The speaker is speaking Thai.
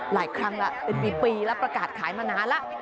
หลายครั้งแล้วเป็นปีแล้วประกาศขายมานานแล้ว